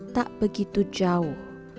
tak begitu jauh